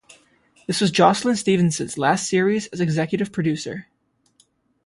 This was Jocelyn Stevenson's last series as executive producer.